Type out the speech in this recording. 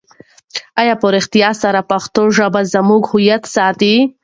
آیا په رښتیا سره پښتو ژبه زموږ هویت ساتي؟